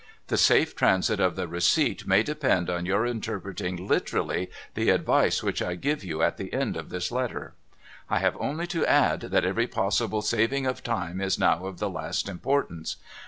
The safe transit of the receipt may depend on your interpreting literally the advice which I give you at the end of this letter. ' I have only to add that every possible saving of time is now of the last importance.